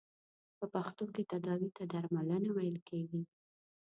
په پښتو کې تداوې ته درملنه ویل کیږی.